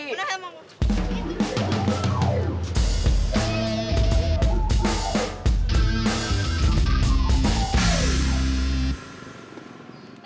udah emang mau